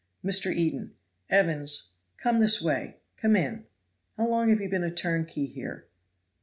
Mr. Eden. "Evans, come this way, come in. How long have you been a turnkey here?"